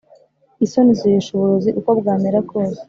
Isoni zirisha uburozi uko bwamera kose